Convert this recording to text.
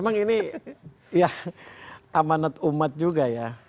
memang ini ya amanat umat juga ya